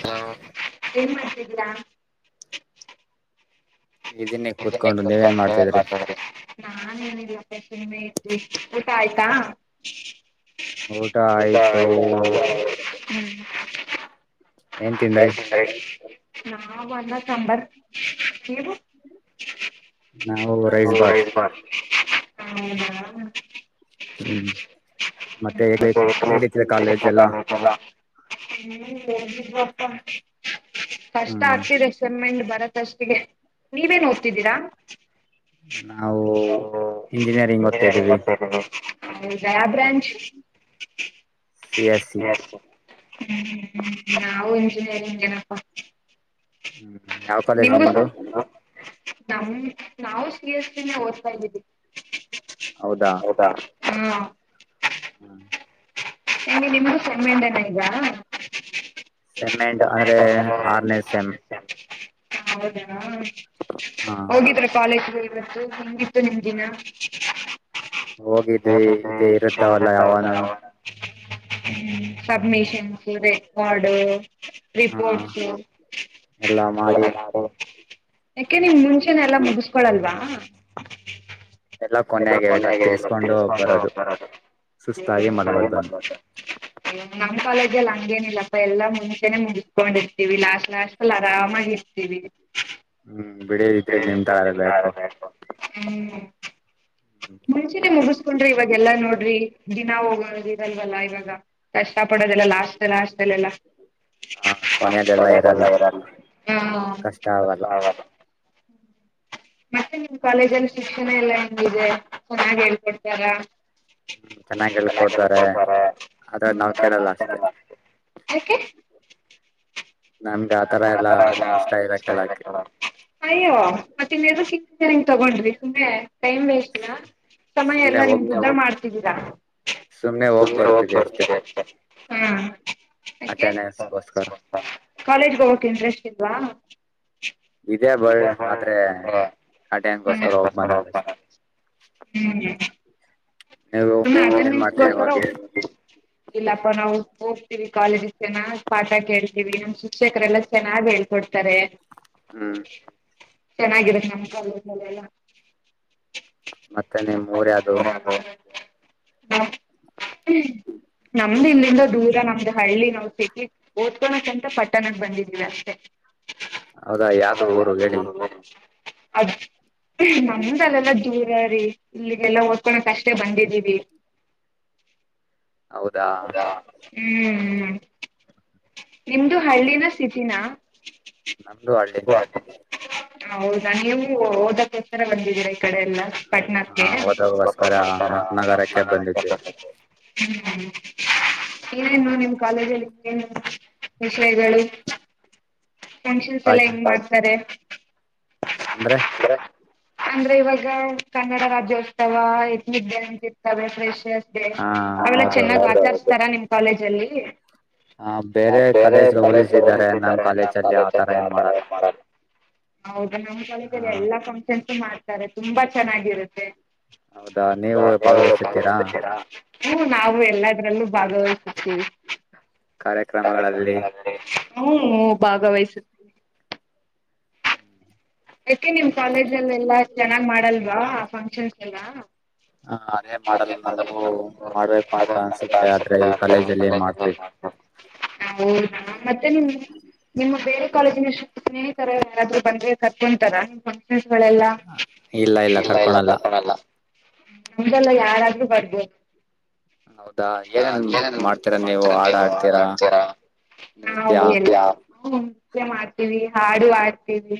ಹಾ ಏನ್ ಮಾಡ್ತಿದ್ದೀರಾ ಇದನ್ನಿ ಕೂತ್ಕೊಂಡು ನೀವೇನ್ ಮಾಡ್ತಿದ್ರಿ ನಾಏನಿದಿಲ್ಲಪ್ಪ ಸುಮ್ಮೆ ಇದ್ವಿ ಊಟ ಆಯ್ತಾ ಹೌದಾ ಆಯ್ತು ಹತ [unintelligible] ಹಾ ಒಂದ ಸಾಂಬರ್ ನೀವು [inaudible] ಹೌಐದು [unintelligible] ಬಾರ್ ಹೌದಾ ಹ್ಮ್ ಮತ್ತೆ ಹೇಳ ಕಾಲೇಜ್ ಎಲ್ಲ ಹ್ಮ್ ಎ ಬತಾ [unintelligible] ಕಷ್ಟ ಆಗ್ತಿದೆ ಸಮ್ಮಣಿ ಬರ ತ್ತಷ್ಟಿಗೆ. ನೀವೇನ್ ಓದ್ತಿದ್ದೀರಾ. ನಾವು ಇಂಜಿನಿಯರಿಂಗ್ ಓದ್ತ ಇದೀವಿ. ಜಯಾ ಬ್ರಾಂಚ್. B S C. ಹ್ಮ್ ಹ್ಮ್ ಹ್ಮ್ ನಾವು ಇಂಜಿನಿಯರಿಂಗ್ ಏನಪ್ಪಾ. ನಿಮ್ಗು. ನಮ್ ನಾವು ಸಿ ಎಸ್ ಇ ನೆ ಓದ್ತಾ ಇದಿದ್ದು. ಹೌದಾ. ಹ್ಮ ಹಂಗೆ ನಿಮ್ಗು ಸೇಮ್ ಎಂಡ್ನೆ ಇಗ. ಸೇಮ್ ಎಂಡ್ ಅಂದ್ರೆ ಆರ್ನೇ ಸೇಮ್. ಹ ಹೌದ. ಹ ಹೋಗಿದ್ರ ಕಾಲೇಜ್ಗೆ. ಇವತ್ತು ಸಂಗಿ ತಂಗಿನ. ಹೋಗಿದ್ವಿ ಇದೇ ಇರುತ್ತಾವಲ್ಲ ಯಾವನನ. ಹ್ಮ ಸಬ್ಮಿಷನ್ಸು ರೆಕಾರ್ಡು. ರಿಪೋರ್ಟ್ಸು. ಯಾಕೆ ನಿಮ್ ಮುಂಚೆನೆ ಎಲ್ಲಾ ಮುಗುಸ್ಕೊಳಲ್ವಾ. [unintelligible] ಹೆ ಹೆ ನಮ್ ಕಾಲೇಜಲ್ ಹಂಗೇನಿಲ್ಲಪ್ಪ ಎಲ್ಲಾ ಮುಂಚೆನೆ ಮುಗಿಸಸ್ಕೊಂಡಿರ್ತೀವಿ ಲಾಸ್ಟ್ ಲಾಸ್ಟ್ ಅಲ್ ಆರಾಮಾಗ್ ಇರ್ತೀವಿ. ಹ್ಮ್ ಬಿಡಿ ಇದ್ರೆ ನಿಮ್ ತರ ಇರ್ಬೇಕು. ಮುಂಚೆನೆ ಮುಗುಸ್ಕೊಂಡ್ರಿ ಇವಾಗೆಲ್ಲಾ ನೋಡ್ರಿ. ದಿನ ಹೋಗೋದ್ ಇರಲ್ವಲ್ಲ ಇವಾಗ ಕಷ್ಟ ಪಡೋದೆಲ್ಲ ಲಾಸ್ಟ್ ಲಾಸ್ಟಲೆಲ್ಲ. ಹ್ಮ್ ಮತ್ತೆ ನಿಮ್ ಕಾಲೇಜಲ್ ಶಿಕ್ಷಣ ಎಲ್ಲಾ ಹೆಂಗಿದೆ ಚೆನ್ನಾಹ್ ಹೇಳ್ಕೊಡ್ತಾರ. ಹ್ಮ್ ಯಾಕೆ. ಅಯ್ಯೋ. ಇನ್ ಎಂತುಕ್ ಇಂಜಿನಿಯರಿಂಗ್ ತಗೊಂಡ್ರಿ ಸುಮ್ನೆ. ಟೈಮ್ ವೇಸ್ಟಲ ಸಮಯ ಎಲ್ಲ ನಿಮ್ಗೆಲ್ಲ ಮಾಡ್ತಿನಿ. [inaudible] ಸುಮ್ಮನೆ ಹೋಗ್ ಬರ್ತಿದೆ ಅಷ್ಟೇ. ಹಾ [unintelligible] ಕಾಲೇಜ್ಗೆ ಹೋಗೋಕ್ ಇಂಟ್ರೆಸ್ಟ್ ಇಲ್ವಾ. ಇದೇ ಬಟ್ ಆದ್ರೆ. ಇದೆ ಅಟೆಂಡೆನ್ಸ್ ಗೆ ಗೋಸ್ಕರ ಬರೋದಷ್ಟೇ. ನೀವು ಅಟೆಂಡೆನ್ಸ್ ಗೋಸ್ಕರ ಅಷ್ಟೇ. ಹೋಗ್ತೀರಾ ಇಲ್ಲಪ್ಪ ನಾವು. ಹೋಗ್ತಿವಿ ಕಾಲೇಜಿಗೆ ಚೆನ್ನಾಗ್ ಪಾಠ ಕೇಳ್ತೀವಿ ನಮ್ ಶಿಕ್ಷಕರೆಲ್ಲ ಚೆನ್ನಾಗ್ ಹೇಳ್ಕೊಡ್ತಾರೆ. ಹ್ಮ್. ಚೆನ್ನಾಗಿರುತ್ತೆ ನಮ್ ಕಾಲೇಜಿಲ್ಲ ಎಲ್ಲ. ಮತ್ತೆ ನಿಮ್ಮ್ ಊರ ಯಾವುದು. ಹಾ. ಹ್ಮ ನಮ್ದು ಇಲ್ಲಿಂದ ದೂರ ನಮ್ದು ಹಳ್ಳಿ ನಾವ ಓದ್ಕೋಕ ಅಂತ ಪಟ್ಟಣಕ್ಕೆ ಬಂದಿದೀವಿ ಅಷ್ಟೆ. [unintelligible] ಅದ್ ನಮ್ದಲ್ಲೆಲ್ಲ ದೂರ ರೀ ಇಲ್ಲಿಗೆಲ್ಲಾ ಓದ್ಕೋಳ ಅಷ್ಟೇ. ಬಂದಿದ್ದೀವಿ. ಹೌದ ಹ್ಹು ಹ್ಹು. [inaudible] ನಿಮ್ದು ಹಳ್ಳಿನಾ ಸಿಟಿನಾ. ಹ ಹೌದಾ ನೀವು ಓದಕ್ಕೋಸ್ಕರ ಬಂದಿದ್ದೀರಾ. ಕಡೆ ಎಲ್ಲ ಪಟ್ಟಣಕ್ಕೆ. [unintelligible] ಹ್ಮ. ಏನೇನು ನಿಮ್ಮ್ ಕಾಲೇಜಲ್ಲಿ ಏನು ವಿಷಯಗಳು. ಫಂಕ್ಷನ್ಸ್ ಎಲ್ಲ ಹೆಂಗ್ ಮಾಡ್ತಾರೆ. ಅಂದ್ರೆ. ಅಂದ್ರೆ ಇವಾಗ ಕನ್ನಡ ರಾಜ್ಯೋತ್ಸವ ಎತ್ನಿದ್ದೆ ಅಂತಿರ್ತವೆ ಫ್ರೆಶ್ ಅವೆಲ್ಲ ಚಚೆನ್ನಾಗಿ ತರ ನಿಮ್ ಕಾಲೇಜ್ ಅಲ್ಲಿ. ಹಾ ಬೇರೆ ಕಾಲೇಜ್ಗೆಗೆ ಹೋಲಿಸಿದರೆ ನಮ್ಮ ಕಾಲೇಜಲ್ಲಿ ಆತರ ಮಾಡಲ್ಲ. ಹೌದು. ನಮ್ಮ ಕಾಲೇಜಲ್ಲಿ ಎಲ್ಲ ಫಂಕ್ಷನ್ ಎಉ ಮಾಡ್ತಾರೆ ತುಂಬಾ ಚೆನ್ನಾಗಿರುತ್ತೆ. ಹು ನಾವು ಎಲ್ಲ ಭಾಗವಹಿಸುತ್ತಿವಿ. ಹು ಹು ಭಾಗವಹಿ [unintelligible] ಯಾಕೆ ನೀಮ್ ಕಾಲೇಜ್ಲ್ ಎಲ್ಲಾ ಚೆನ್ನಗ್ ಮಾಡಲ್ವ ಫನ್ಕ್ ಕೇಳ್ಸಲ್ಲ. ಹ ಅದೇ ಮಾಡಲ್ಲ್ ನಮ್ಗು ಮಾಡ್ಬೇಕು ಅಂತ ಅನ್ಸುತ್ತೆ ಆದ್ರೆ ಈ ಕಾಲೇಜಲ್ಲಿ ಮಾಡಲಿಲ್ಲ. ತರ ಯಾರಾದ್ರೂ ಬಂದ್ರೆ. ಕರ್ಕೊಂತರ ನಿಮ್ ಫುನ್ಕ್ಷನ್. ಗಳೆಲ್ಲ. ನಿಮ್ದಲ್ಲ ಯಾರಾದ್ರೂ ಬರ್ಬೋದ್. ಹೌದಾ ಏನೇನ್ ಮಾಡ್ತೀರಾ ನೀವು ಆಡ್ ಆಡ್ತೀರಾ ನೃತ್ಯ. ಹ್ಮ ನುತ್ಯ ಮಾಡ್ತೀವಿ ಹಾಡು ಆಡ್ತೀವಿ.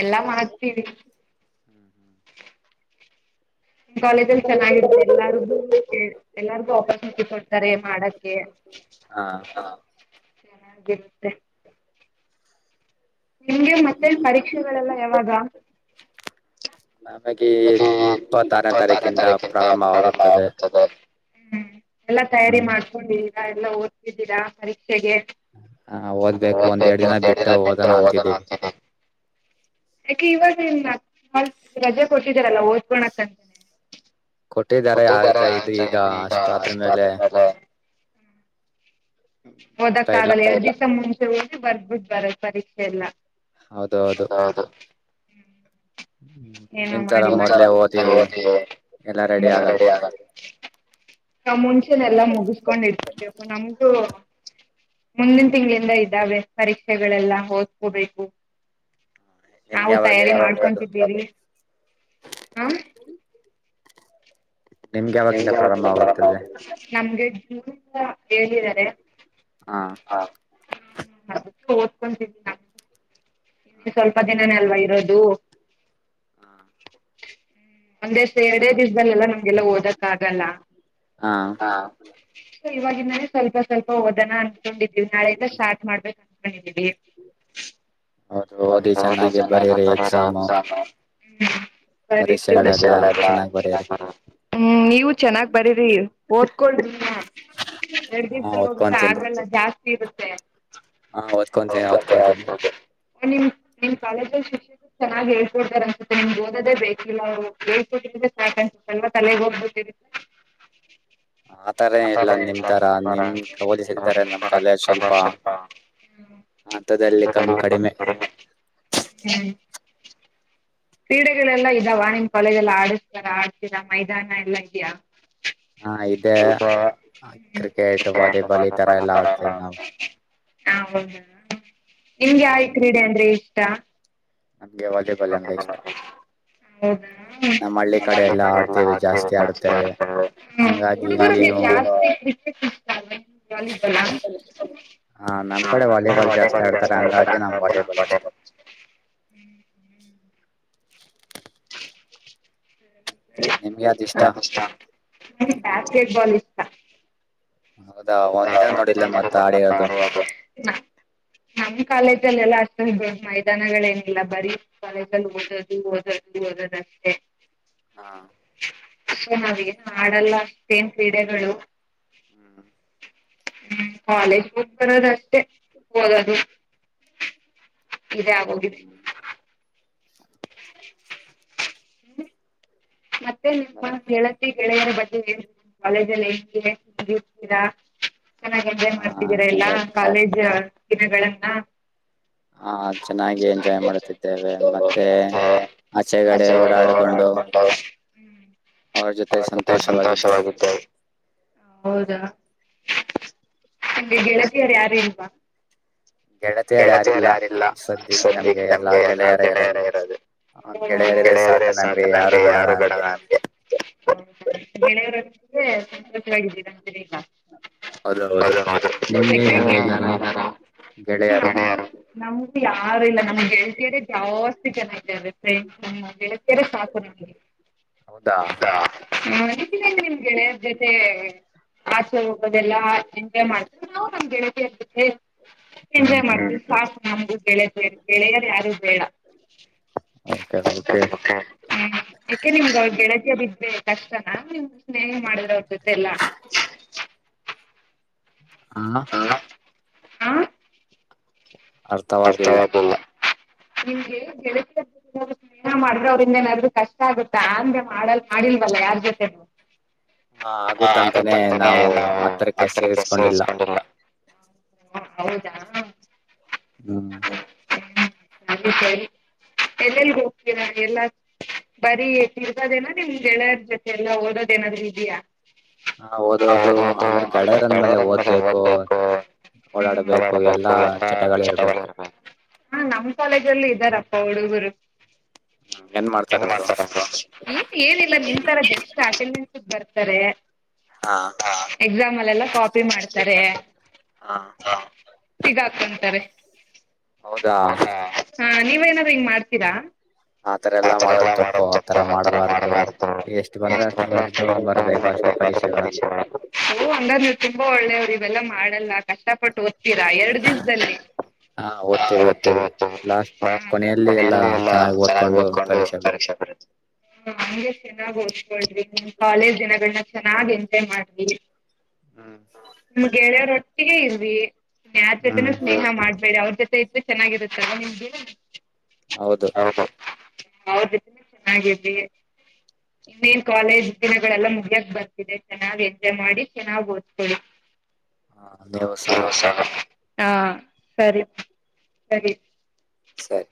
ಎಲ್ಲಾ ಮಾಡ್ತೀವಿ. ಮ್ ಕಾಲೇಜಲ್ಲಿ ಚೆನ್ನಾಗಿ ಎಲ್ಲಾರ್ಗು ಎಲ್ಲಾರ್ಗು ಆಪರ್ಚುನಿಟಿ ಕೊಡ್ತಾರೆ ಮಾಡಕ್ಕೆ. ಚೆನ್ನಾಗಿರುತ್ತೆ. ನಿಮ್ಗೆ ಮತ್ತೇನ್ ಪರೀಕ್ಷೆಗಳೆಲ್ಲ ಯಾವಾಗ. ಅತ್ತಿ ಇಪ್ಪತ್ ಆರನೇ ತಾರೀಕಿಂದ ಪ್ರಾರಂಭವಾಗುತ್ತದೆ. ಹ್ಮ್ ಎಲ್ಲಾ ತಯಾರಿ ಮಾಡ್ಕೊಂಡಿ ದ ಎಲ್ಲ ಓದ್ತಿದ್ದೀರ ಪರೀಕ್ಷೆ ತೆಗೆ ಯಾಕೆ ಇವಗೇನ್ ಆಗ್ ಅಲ್ ರಜೆ ಕೊಟ್ಟಿದಾರಲ್ಲ ಓದ್ಕೋಣ ಕಂತೆ. ಓದಕ್ ಆಗಲ್ಲ ಯಜ್ಜಿ ಸೇಮು. ಹೋಗಿ ಬರ್ದ್ಬಿಟ್ ಬರದ್ ಪರೀಕ್ಷೆ ಎಲ್ಲ. ಹೌದು ಹೌದು. ಹ್ಮ್ ಹ್ಮ ನಿಮ ತರ ಮೊದ್ಲೆ ಓದಿ ಎಲ್ಲ ಎಲ್ಲ ರೆಡಿ ಆಗದ್. ನಾವ್ ಮುಂಚೆನೆಲ್ಲಾ ಮುಗಿಸ್ಕೊಂಡ್ ಇರ್ತಿವಪ್ಪ ನಮ್ಗು. ಮುಂದಿನ್ ತಿಂಗಳಿಂದ ಇದ್ದಾವೆ ಪರೀಕ್ಷೆಗಳೆಲ್ಲ ಓದ್ಕೋಬೇಕು. ನಾವು ತಯಾರಿ ಮಾಡ್ಕೊಂತಿದ್ದೀವಿ ಹಾ ನಮ್ಗೆ [unintelligible] ಹೇಳಿದ್ದಾರೆ ಹಾ [unintelligible] ಓದ್ಕೊಂತಿದ್ನ. ಇನ್ನು ಸ್ವಲ್ಪ ದಿನನೆ ಅಲ್ವಾ ಇರೋದು. ಒಂದೆಸ್ ಎರಡೇ ದಿವ್ಸದಲ್ಲೆಲ್ಲ ನಮ್ಗೆಲ್ಲ ಓದಕ್ ಆಗಲ್ಲ. ಸೊ ಇವಾಗಿಂದಾನೇ ಸ್ವಲ್ಪ ಸ್ವಲ್ಪ ಓದಣ ಅಂತ್ ಕೊಂಡಿದ್ದೀವಿ ನಾಳೆಯಿಂದ ಸ್ಟಾರ್ಟ್ ಮಾಡ್ಬೇಕ್ ಅನ್ಕೊಂಡಿದ್ದೀವಿ. ಹ್ಮ್ ಸರಿ ಪರೀಕ್ಷೆಗಳೆಲ್ಲ ಚೆನ್ನಾಗ್ ಬರೀರ್ ಹ್ಮ್ ನೀವು ಚೆನ್ನಾಗ್ ಬರೀರಿ ಓದ್ಕೊಳ್ರಿ [unintelligible] ಆಗಲ್ಲ ಜಾಸ್ ಇರುತ್ತೆ. ಹಾ ಓದ್ಕೊಂತೀನ್ ಓದ್ಕೋತಿನ್ ನಿಮ್ ನಿಮ್ ಕಾಲೇಜಲ್ಲಿ ಶಿಕ್ಷಕ ಚೆನ್ನಾಗಿ ಹೇಳ್ಕೊಡ್ತಾರೆ ಅನ್ಸುತ್ತೆ ನಿಮ್ಗ್ ಓದದೇ ಬೇ ಇಲ್ಲ ಅವ್ರು ಹೇಳ್ಕೊಟ್ಟಿದ್ದು [unintelligible] ತ್ತಲ್ವ ತಲೆಗ್ ಹೋಗ್ಬಟ್ಟಿದೆ. ಆತರ ಇಲ್ಲ ನಿಮ್ ತರ ನಿಮ್ಕ ಹೋಲಿಸಿರ್ತಾರೆ ನಮ್ ಕಾಲೇಜ್ ಸ್ವಲ್ಪ ಅಂತದೆಲ್ಲಿ ಕಮ್ ಕಡಿಮೆ. ಕ್ರೀಡೆಗಳೆಲ್ಲ ಇದ್ದಾವ ನಿಮ್ಮ ಕಾಲೇಜಲ್ಲಿ ಆಡಿಸ್ತಾರ ಆಡ್ತೀರಾ ಮೈದಾನ ಎಲ್ಲ ಇದ್ಯಾ? ಹಾ ಇದೇ ಕ್ರಿಕೆಟ್ ವಾಲಿಬಾಲ್ ಈ ತರ ಎಲ್ಲಾ ಆಡ್ತೇವಿ ನಾವು. ಹೌದಾ ನಿಮ್ಗೆ ಆಯ್ ಕ್ರೀಡೆ ಅಂದ್ರೆ ಇಷ್ ಟ ನಮ್ಗೆ ವಾಲಿಬಾಲ್ ಅಂದ್ರೆ ಇಷ್ಟ ನಮ್ ಹಳ್ಳಿ ಕಡೆ ಎಲ್ಲ ಆಡ್ತೇವೆ ಜಾಸ್ತಿ ಆಡುತ್ತೇವೆ ಹಂಗಾಗಿ ಇಲ್ಲಿನೂ [unintelligible] [unintelligible] ಜಾಲಿ ಫುಲ್ಲಾ [unintelligible] ಹ್ಮ್ [inaudible] ನಿಮ್ಗ ಯಾವ್ದ್ ಇಷ್ಟ. ನನಿಗ್ ಬ್ಯಾಸ್ಕೆಟ್ ಬಾಲ್ ಇಷ್ಟ. ಮಹ ಹೌದಾ ಒಂದಿನ ನೋಡಿಲ್ಲ ಮತ್ ಆಡಿರೋದು. ನಮ್ ಕಾಲೇಜಲ್ಲೆಲ್ಲ ಅಷ್ಟೋನ್ದ್ ದೋಡ್ ಮೈದಾನಗಳೇನಿಲ್ಲ ಬರೀ ಕಾಲೇಜಲ್ ಓದೋದು ಓದೊದು ಓದೋದು ಅಷ್ಟೇ. ಹಾ ಅದ್ಕೆ ನಾವ್ ಏನ್ ಆಡಲ್ಲ ಅಷ್ಟೇನ್ ಕ್ರೀಡೆಗಳು. [inaudible] ಹ್ಮ ಕಾಲೇಜ್ಗ್ ಹೋಗ್ ಬರದಷ್ಟೇ ಓದದು ಇದೆ ಆಗೋಗಿದೆ. [unintelligible] [unintelligible] ಹ್ಮ ಮತ್ ತೆ ನಿಮ್ಮ ಗೆಳತ್ ತಿ ಗೆಳೆಯರ ಬಟ್ಟಗೆ ಕಾಲೇಜಲ್ [unintelligible] ರ್ತೀರಾ. ಚೆನ್ನಾಗ್ ಎಂಜಾಯ್ ಮಾಡ್ತಿದೀರಾ ಏಲ್ಲ ಕಾಲೇಜ. ದಿನಗಳನ್ನ. ಹಾ ಚೆನ್ನಾಗಿ ಎಂಜಾಯ್ ಮಾಡುತ್ತಿದ್ದೇವೆ ಮತ್ತೆ ಆಚೆಗಡೆ ಓಡಾಡ್ಕೊಂಡು. ಅವ್ರ್ ಜೊತೆ ಸಂತೋಷವಾಗಿದೆವ್. ಹೌದಾ. ನಗೆ ಗೆಳತಿಯರ್ ಯಾರು ಇಲ್ವಾ. ಹ್ಮ್ ಹೌದ. ಗೆಳೆಯರೊಂದ್ ದೆ ಸಂತೋಷ್ವಾಗಿದ್ದೀರಾ. ಸಿರಿಕ. ಹೌದ ಹೌದು ನಿಮ್ಗೆ ಯಾರು ಇದ್ದಾರ ಗೆ ನಮ್ಗ್ ಯಾರು ಇಲ್ಲ ನಮ್ ಗೆಳ್ತಿಯರೆ ಜಾಸ್ ಚಿಕನ್ ಆಯ್ತುರು ಬ್ರೈನ್ ಸೂಪ್ ಮತ್ತೆ. ಕೆರೆ ಸಾಕು ನಿಮ್ಗೆ ಹ್ಮ್ [unintelligible] ಜತೆ. ಆಚೆ ಹೋಗೋದೆಲ್ಲಾ ಎಂಜಾಯ್ ಮಾಡ್ತೀರ್, ನಾವು ನಮ್ ಗೆಳೆತಿಯರ್ ಜೊತೆ ಎಂಜಾಯ್ ಮಾಡ್ತಿವ್ ಸಾಕು ನಮ್ಗು. ಗೆಳತಿಯರ್ ಗೆಳೆಯರ್ ಯಾರು ಬೇಡ. ಹ್ಮ್ ಯಾಕೆ ನಿಮ್ಗೆ ಅವ್ರ್ ಬೆಳಗ್ಗೆ ಬಿಟ್ರೆ ಕಷ್ಟನಾ ನಿಮ್ ಸ್ನೇಹ ಮಾಡಿದ್ರೆ ಅವ್ರ್ ಜೊತೆ ಎಲ್ಲ. ಆ ಆ ಅರ್ಥವಾಗ್ಲಿಲ್ಲ. ನಿಮ್ಗೆ ಗೆಳತಿಯರ್ ಜೊತೆ [unintelligible] ಪ್ರಯಣ ಮಾಡಿದ್ರೆ ಅವ್ರಿಂದ ಏನಾದ್ರರು ಕಷ್ಟ ಆಗುತ್ತಾ ಅಂದೆ ಮಾಡಲ್ ಮಾಡಿಲ್ವಲ್ಲ ಯಾರ್ ಜೊತೆನು. ಹಾ ಆಗುತ್ತಂತಾನೇ ನಾವು ಹತ್ರಕ್ಕೆ ಸೇರಿಸ್ಕೊಂಡಿಲ್ಲ. ಹ ಹೌದಾ ಹ್ಮ್ ಹ ಹಾಗ [unintelligible] ಸರಿ ಎಲ್ಲೆಲ್ಲಿ ಹೋಗ್ತೀರ ಎಲ್ಲಾ? ಬರೀ ತಿರ್ಗೋದೇನ, ನಿಮ್ ಗೆಳೆಯರ್ ಜೊತೆ ಇಲ್ಲಾ ಓದೋದ್ ಏನಾದರೋ ಇದೆಯಾ? ಹ, ಓದೋದು ಅಂದ್ರೆ ಗೆಳೆಯರಂದ ಮೇಲೆ ಓದ್ಬೇಕು, ಓಡಾಡ್ಬೇಕು, ಎಲ್ಲಾ ಚಟಗಳು [unintelligible] ಹ ನಮ್ಮ್ ಕಾಲೇಜಲ್ಲಿ ಾರ [unintelligible] ಅಪ್ಪ ಹುಡುಗುರು ಹೆಂಗ್ ಮಾಡ್ತಾರ ಅವ್ರು? ಹ್ಮ್, ಏನಿಲ್ಲ, ನಿಂತರ ಬೆಸ್ಟ್ ಅ [unintelligible] [unintelligible] ಬರ್ತಾರೆ ಹಾ, ಎಕ್ಸಾಮಲೆಲ್ಲ ಕಾಪಿ ಮಾಡ್ತಾರೆ. ಹಾ, ಸಿಗಾಕೊಂತಾರೆ. ಹೌದಾ ನೀವ್ ಏನಾದ್ರು ಹಿಂಗ್ ಮಾಡ್ತೀರಾ? ಆತರ ಎಲ್ಲಾ ಮಾಡುದು ತಪ್ಪು ಆತರ ಮಾಡ್ಬಾರ್ದು. ಎಷ್ಟು ಬಂದ್ರೆ ಅಷ್ಟ ಬರ್ದು ಬರ್ಬೇಕು ಅಷ್ಟೇ ಪರೀಕ್ಷೆಗಳನ್. ಲ್ಲ [unintelligible] ಕಷ್ಟಪಟ್ಟು ಓ [unintelligible] ಹತೀರಾ [unintelligible] ಎರಡ್ ದಿವಸ್ದದಲೀ? ಹೌತ್ತು ಹತ್ತು [unintelligible] ಕೊನೆಯಲ್ಲಿ ಎಲ್ಲ ಚೆನ್ನಾಗಿ ಓದ್ಕೊಂಡು ಪರೀಕ್ಷೆ ಬರೆದು [unintelligible] ಹ ಹೌ [unintelligible] ಿ [unintelligible] ಕಾಲೇಜ್ ದಿನಗಳನ್ನ ಚೆನ್ನಾಗ್ ಎಂಜಾಯ್ ಮಾಡದ್ವಿ. ಹ್ಮ್ ಗೆಳೆಯ ರೊಟ್ಟಿಗೆ ಇದ್ವಿ. ಯಾರ್ ಜೊತೆನು ಸ್ನೇಹ ಮಾಡ ಬೇಡಿ [unintelligible] ಅವ್ರ ಜೊತೆ ಇದ್ರೆ ಚೆನ್ನಾಗಿರುತ್ತಲ್ಲ, ನಿಮಗೆ? ಹೌದು ಅವರ್ ಜೊತೇನು ಚೆನ್ನಾಗಿದ್ವಿ. ಇನ್ನೇನ್ ಕಾಲೇಜ್ ದಿನಗಳೆಲ್ಲ ಮುಗ್ಯಕ್ ಬರ್ತಿದೆ, ಚೆನ್ನಾಗ್ ಎಂಜಾಯ್ ಮಾಡಿ ಚೆನ್ನಾಗ್ ಓದ್ಕೊಳಿ. ಹಾ ದೇವಸಹ ಹಾ ಸರಿ ಸರಿ ಸರಿ